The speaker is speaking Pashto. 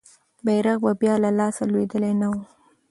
بیرغ به بیا له لاسه لوېدلی نه وو.